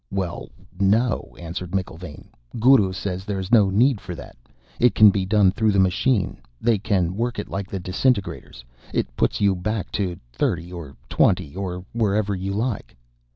"Well, no," answered McIlvaine. "Guru says there's no need for that it can be done through the machine; they can work it like the disintegrators; it puts you back to thirty or twenty or wherever you like."